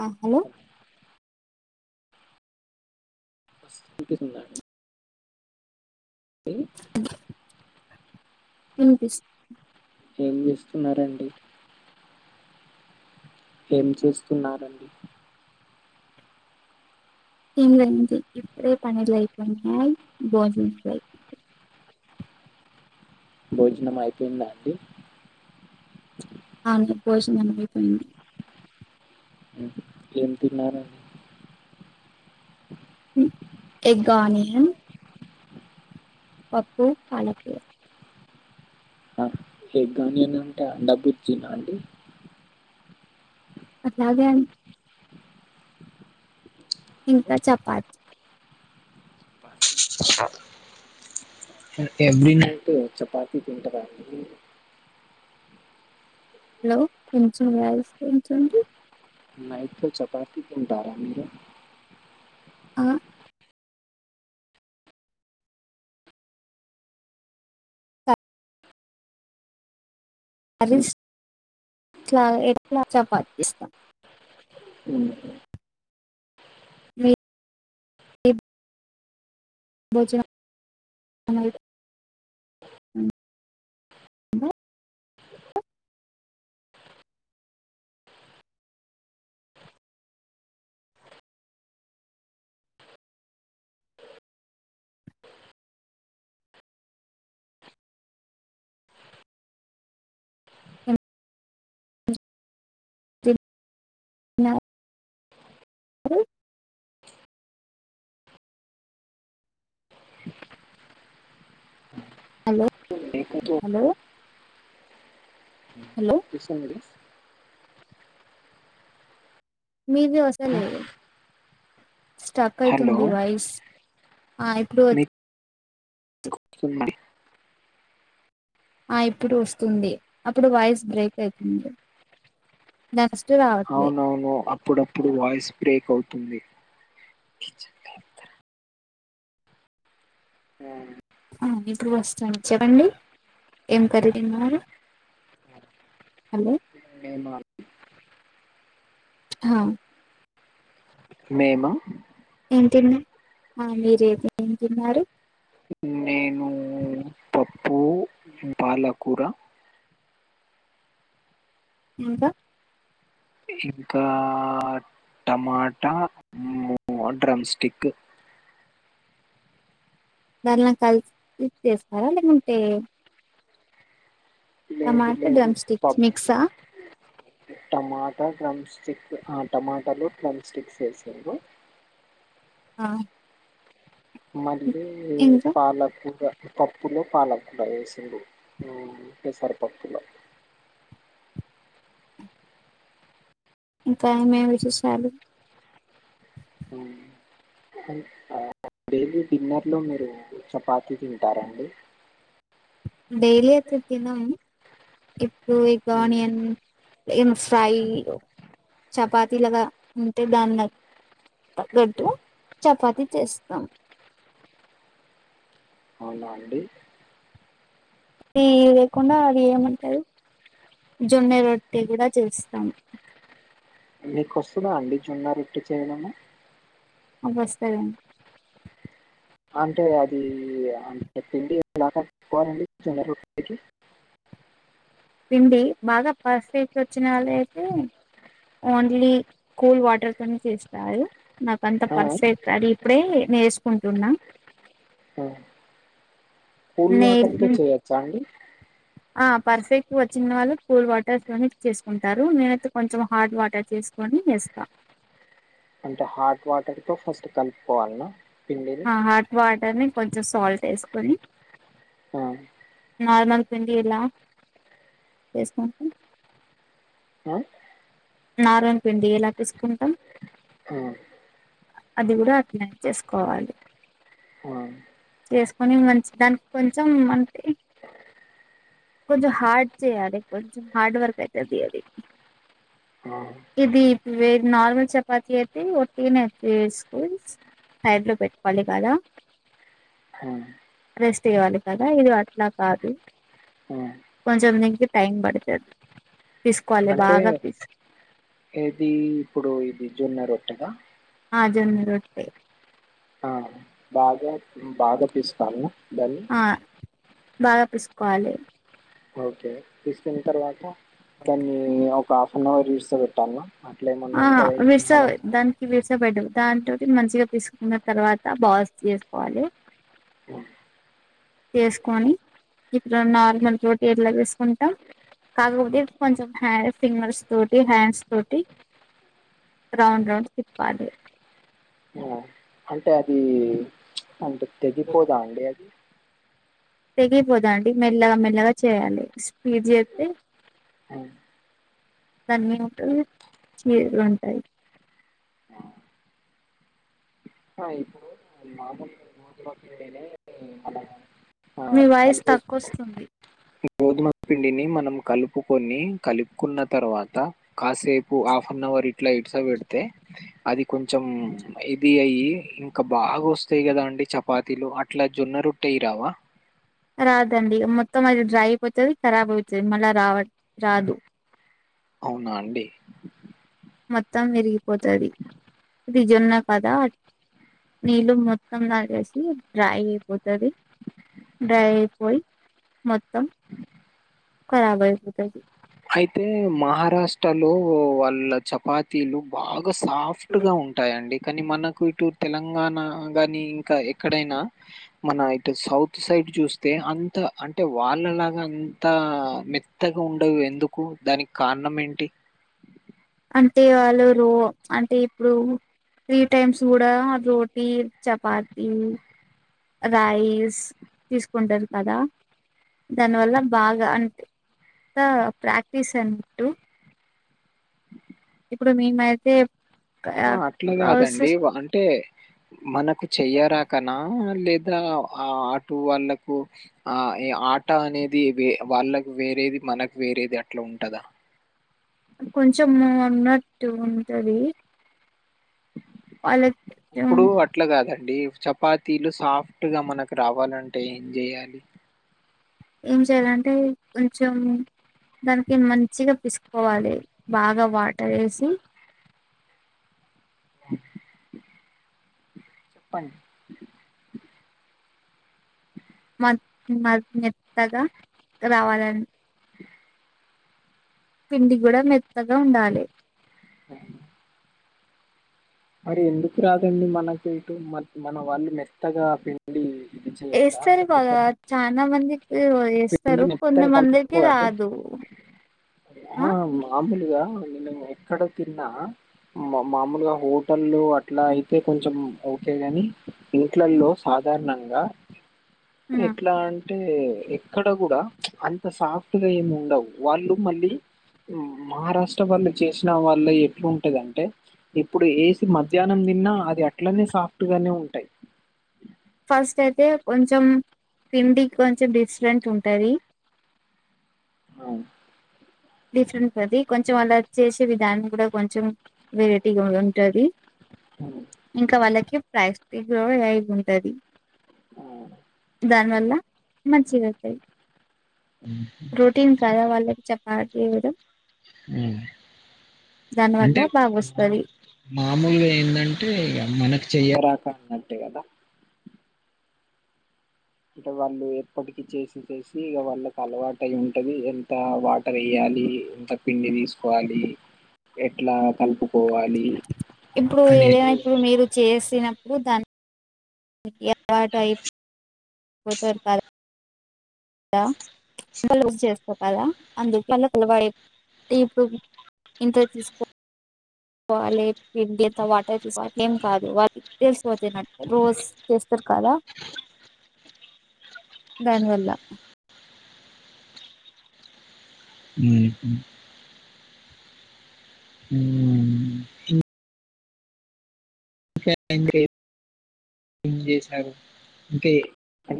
ఆ హలో [unintelligible] ఉ వినిపిస్త ఏం చేస్తున్నారండి ఏం చేస్తున్నారండి ఎంలే అయింది ఇప్పుడే పనులు అయిపోన్నాయి భోజనాలు అయితున్నాయి భోజనం అయిపోయిందా అండి అవును భోజనం అయిపోయింది ఏం తిన్నారండి ఎగ్ ఆనియన్ పప్పు పాలకూర ఎగ్ ఆనియన్ అంటే అండ బుజ్జి అండి అట్లాగే ఇంకా చపాత్ అంటే ఎవరీ నైట్ చపాతీ తింటారా అండి హలో కొంచెం వాయిస్ పెంచండి నైట్ లొ చపాతి తింటారా మీరు ఆ ఎట్లా చపాతి చేస్తా ఉహు ఎ భోజనం అయ్యిపో [unintelligible] ఏం చేస్తున్నారు హలో లేకపోతే హలో హలో [unintelligible] మీది వస్తలే స్టక్ హలో అయితుంది వైస్ ఆ ఇప్పుడు వస్తుందా ఆ ఇప్పుడు వస్తుంది అప్పుడు వాయిస్ బ్రేక్ అయితుండే నా అవునవును అప్పుడప్పుడు వాయిస్ బ్రేక్ అవుతుంది [unintelligible] ఆ అ ఇప్పుడు వస్తాంది చెప్పండి ఏం కర్రి తిన్నారు హలో మేమా హా మేమా ఏ తిన్నావ్ ఆ మీరే ఏం తిన్నారు నేను పప్పు పాలకూర ఇంకా ఇంకా టమాటా డ్రమ్ స్టిక్ దాంట్ల కలిసి చేస్తారా లేకుంటే లేదు టమాటా లేదు డ్రమ్ స్టిక్స్ పప్ మిక్సా టమాటా డ్రమ్ స్టిక్ ఆ టమాటలు క్లమ్ స్టిక్స్ ఏస్తరు. ఆ మళ్ళీ ఇంకా పాలకూర పప్పులో పాలకూర వేసిండు పెసరపప్పులో ఇంక ఏమేమి విశేషాలు హ డైలీ డిన్నర్లో మీరు చపాతీ తింటార అండి. డైలీ ఐతే తినం ఇప్పుడు ఇక ఉమ్, ఆనియన్ ఏం ఫ్రైలు చపాతీ లగా ఉంటే దాన్ని తగ్గట్టు చపాతి చేస్తం. అవునా అండి అది లేకుండా అది ఏమంటరు జొన్నె రొట్టె కూడా చేస్తాం. మీకు వస్తదా అండి జొన్న రొట్టె చేయడము నమస్తే అం అంటే అది అ పిండి ఎలాగా చేసుకోవాలండి జొన్న రొట్టె ఇంతకి పిండి బాగా పర్స్ట్ వచ్చినళ్ళ అయితే ఓన్లీ కూల్ వాటర్తోని చేస్తారు. నాకంత ఆ, పర్ఫెక్ట్ అది ఇప్పుడే నేర్సుకుంటున్నా అ కూల్ నే వాటర్తో చేయచ్చా అండి. ఆ పర్ఫెక్ట్ వచ్చిన వాళ్ళు కూల్ వాటర్తోనే చేసుకుంటారు. నేనైతే కొంచెం హాట్ వాటర్ చేసుకుని ఏస్తా. అంటే హాట్ వాటర్ తో ఫస్ట్ కలుపుకోవాల్నా హా హాట్ వాటర్ని కొంచెం సాల్ట్ వేసుకొని ఆ నార్మల్ పిండి లా చేసుకుంటు ఆ! నార్మల్ పిండి ఎలా తీసుకుంటాం. ఆ! అది కూడా అట్నే చేసుకోవాలి. ఆ! చేసుకొని మంచి దానికి కొంచెం అంటే కొంచం హార్డ్ చేయాలి కొంచం హార్డ్ వర్క్ ఐతది అది ఆ ఇది వె నార్మల్ చపాతి అయితే ఒట్టిగనే చేస్కోన్ సైడ్ లో పెట్టుకోవాలి కదా ఆ! అరెస్ట్ చేయ్యాలి కదా ఇది అట్లా కాదు ఆ! కొంచెం దీనికి టైం పడతది తీసుకోవాలి అంటే బాగా పిస్ ఏది ఇప్పుడు ఇది జొన్నరొట్టెకా ఆ జొన్న రొట్టే ఆ! బాగా బాధపిస్తాను దాన్ని ఆ బాగా పిసుక్కోవాలి ఓకే తీసుకున్న తర్వాత దాన్ని ఒక హాఫ్ అన్ అవర్ ఇడ్సపెట్టన్న ఆ విర్సా దానికి విర్సా దాంతోటి మంచిగా పిసుక్కున్న తర్వాత బాస్ చేసుకోవాలి. ఆ! వేసుకొని ఇప్పుడు నార్మల్ రోటీ ఎట్ల పిసుక్కుంటం కాకపోతే కొంచెం హ్యా ఫింగర్స్ తోటి హ్యాండ్స్ తోటి రౌండ్ రౌండ్ తిప్పాలి ఆ! అంటే అది అంత తెగిపోదా అండి అది తెగిపోదాండి మెల్లగా మెల్లగా చేయాలి స్పీడ్ జేత్తే ఆ! అన్ని ఉంటవి చీరలు ఉంటాయి ఆ మాపుం మాది మాకనే మీ వాయిస్ తక్కువొస్తుంది గోధుమ పిండిని మనం కలుపుకొని కలిప్కున్న తర్వాత కాసేపు ఆఫ్ నవ్ వర్ ఇట్లా ఇడ్సవేడ్తే అది కొంచం ఇది అయి ఇంకా బ బాగోస్తాయ్ గదా అండి చపాతీలు అట్లా జొన్న రొట్టెయ్ రావా రాదండి మొత్తం అది డ్రై పోతె ఖరాబ్ ఔతయ్ మళ్ళా రావవి రాదు అవునా అండి మొత్తం విరిగిపోతది ఇది జొన్న కదా నీళ్ళు మొత్తం లాగేసి డ్రై పోతది డ్రైయిపోయ్ మొత్తం ఖరాబు అయ్యిపోతాది ఐతే మహారాష్ట్ర లో వాళ్ళ చపాతీలు బాగ్ సాఫ్ట్ గా ఉంటాయండి కానీ మనకు ఇటు తెలంగాణ గాని ఇంకా ఎక్కడైనా మన ఇటు సౌత్ సైడ్ చూస్తే అంత అంటే వాళ్ళలాగా అంత మెత్తగా ఉండవెం ఎందుకు దానిక్ కారణం ఏంటి అంటే వాళ్ళు రో అంటే ఇప్పుడు త్రీ టైమ్స్ గూడా రోటీ, చపాతి రైస్ తీస్కుంటారు కదా దాన్ వల్ల బాగా అంటే అంత ప్రాక్టీస్ అంటూ ఇప్పుడు మేమైతే హ అట్లా గాదండి ప్రాసెస్ వ అంటే మనకు చెయ్యరాకనా లేదా ఆ అటు వాళ్ళకు ఆ ఏ ఆటనేది వె వాళ్ళకు వే రేది మనక్ వేరేది అట్లా ఉంటదా కొంచెం ఉన్నట్టు ఉంటది వాళ్ళకి కొంచెం ఇప్పుడు అట్లా గాదండ్ డి చపాతీలు సాఫ్ట్ గా మనక్ రావాలంటే ఏం జేయాలి ఏం చెయాలంటే కొంచం దానికి మంచిగా పిస్కో కోవాలి బాగా వాటరేసి చెప్పండి మత్ మత్ మేత్తగా రావాలన్ పిండి కూడా మెత్తగా ఉండాలి అ మరి ఎందుకు రాదండి మనకు ఇటు మన్ మన వాళ్ళు మెత్తగా పిండి చెయ్యాలా వేస్తారు బాగా చాలా మందికి పిండి వేస్తారు మెత్తగ్ కొంతమందికి కల్పుకొర అండి రాదు ఆ మాముల్గా నిన్న మ క్కడ తిన్నా మా మామూల్గా హొ టల్లో అట్లా అయితే కొంచం ఓకే గాని ఇంట్లల్లో సాధారణంగా ఎట్లా అంటే ఎక్కడ గుడ అంత సాఫ్ టుగ ఏం ఉండవ్ వాళ్ళు మళ్ళీ మహారాష్ట్ర వాళ్ళు జేస్నా వాళ్ళై ఎట్లుంటదంటే ఇప్పుడు ఏం మధ్యాహ్నం దిన్నా ఆ అది అట్లనే సాఫ్ట్ గానే ఉంటాయ్ ఫస్ట్ అయితే కొంచం పిండి కొంచం డిఫ్రెంట్ ఉంటది అవును డిఫరెంట్ అది కొంచం అలా చేసే విధాన్ని గుడా కొంచం వెరేటీగా ఉంటది హ్మ్. ఇంకా వాళ్ళకి ప్రైజ్ [unintelligible] లైవ్ ఉంటది. ఆ దాన్ వల్ల మంచిగత్తయ్. హ్మ్. ప్రోటీన్ కదా వాళ్ళక్ చపాతి గుడం. ఉమ్ దాని వల్ల అంటే బాగా వస్తది మామూలుగా ఏందంటే ఇగ మనకు చెయరాక అన్నట్టే గదా ఇంకా వాళ్ళు ఎప్పటికి చేసి చేసి ఇక వాళ్ళకి అలవాటైయుంటది ఎంత వాటర్ ఏయ్యాలి ఇంత పిండి తీసుకోవాలి ఏట్ల ఇప్పుడు ఏదైన అనేది ఇప్పుడు మీరు చేసిన దాన్ [unintelligible] ఆ వాళ్ళు చేస్తార్ కదా అందుకే పిలలు వాడి ఇప్పుడు ఇంతే తీస్కో వాళ్లే పిండి ఇంత వాటర్ తీస్కో ఏం కాదు వాళ్ళకి తెసిపోతునట్టే రోజ్ చేస్తార్ కదా దాని వల్ల మ్ హ్ మ్.... [unintelligible] ఏం చేసారు. అంటే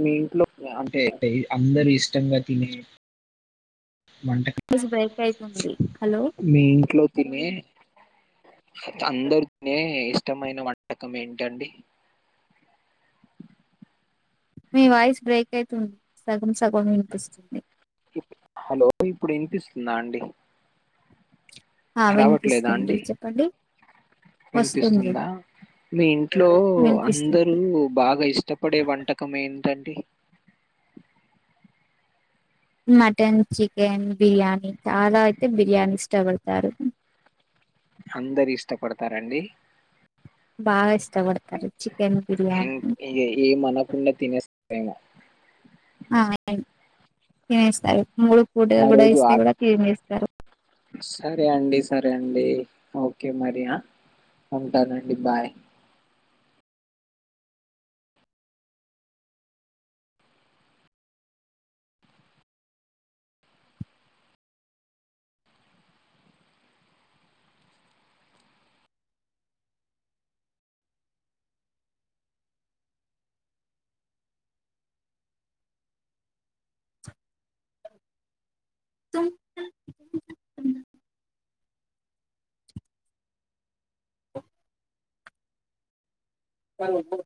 మీ ఇంట్లో అంటే అంటే అందర్ ఇష్టంగ తినే వంటకం. వాయిస్ బ్రేక్ అయితుంది హలో మీ ఇంట్లో తినే అందర్ తినే ఇష్టమైన వంటకం ఏంటండి? ఏతున్ సండే హలో ఇప్పుడ్ ఇన్పిస్తుందా అండి. ఆ విన్పిస్తుంది చెప్పండి. వస్తుంది విన్పిస్తుందా? మీ ఇంట్లో అందరు వినిపిస్తుంది బాగా ఇష్టపడే వంటకం ఏంటండి? మటన్, చికెన్, బిర్యానీ చాలా అయితే బిర్యానీస్ ఇష్ట పడతారు. అందర్ ఇష్టపడ్తారండి. బాగా ఇష్ట పడ్తారు చికెన్ బిర్యానీ. ఏం- ఏ- ఏం అనకుండా తినేస్తారేమో ఆ ఏఐ తినేస్తారు. మూడు పూటల్ ఆ గుడా రోజు ఇస్తే ఆకలి గుడా తినేస్తారు. సరే అండి సరే అండి ఓకే మరి అ ఉంటానండి బాయ్. కలుపు